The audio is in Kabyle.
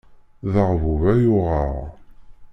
D aɣbub ay uɣeɣ.